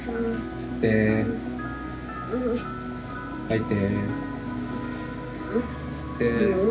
吸って吐いて。